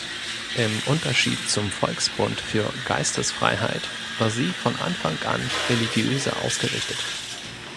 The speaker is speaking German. Im Unterschied zum Volksbund für Geistesfreiheit war sie von Anfang an religiöser ausgerichtet.